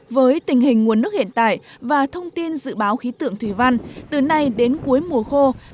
với tình hình nguồn nước hiện tại và thông tin dự báo khí tượng thủy văn từ nay đến cuối mùa khô